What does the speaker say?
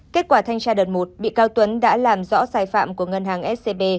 kết quả thanh tra đợt một bị cáo tuấn đã làm rõ sai phạm của ngân hàng scb